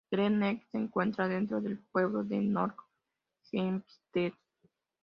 Great Neck se encuentra dentro del pueblo de North Hempstead.